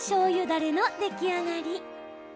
だれの出来上がり。